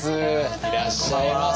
いらっしゃいませ。